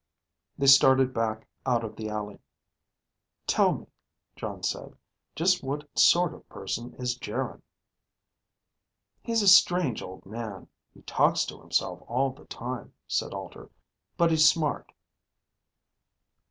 They started back out of the alley. "Tell me," Jon said, "just what sort of person is Geryn?" "He's a strange old man. He talks to himself all the time," said Alter. "But he's smart."